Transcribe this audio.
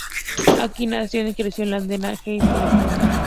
Aiko nació en creció en Ladera Heights, California.